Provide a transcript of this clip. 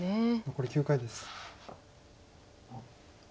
残り９回です。